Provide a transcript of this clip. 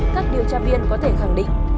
các điều tra viên có thể khẳng định